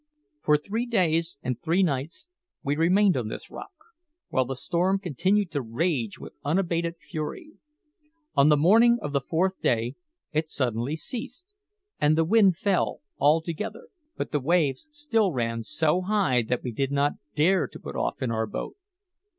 For three days and three nights we remained on this rock, while the storm continued to rage with unabated fury. On the morning of the fourth day it suddenly ceased, and the wind fell altogether; but the waves still ran so high that we did not dare to put off in our boat.